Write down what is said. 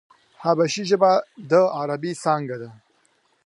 حبشي ژبه د عربي څانگه ده.